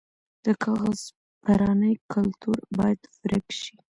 د کاغذ پرانۍ کلتور باید ورک شي.